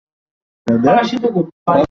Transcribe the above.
রাজ্যের রাজধানী ছিল পাঙ্গনা।